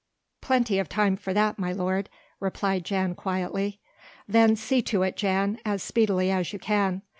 "Plenty of time for that, my lord," replied Jan quietly. "Then see to it, Jan, as speedily as you can.